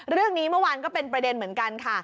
เรื่องนี้เมื่อวานก็เป็นประเด็นเหมือนกันค่ะ